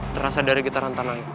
terasa dari gitaran tanahnya